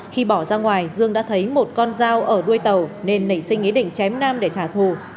khi bỏ ra ngoài dương đã thấy một con dao ở đuôi tàu nên nảy sinh ý định chém nam để trả thù